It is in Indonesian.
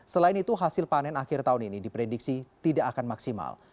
selain itu hasil panen akhir tahun ini diprediksi tidak akan maksimal